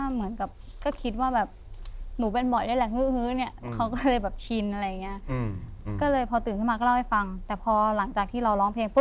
เหมือนกับก็คิดว่าหนูเป็นหมดนี้เลย